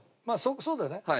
まあそうだよね。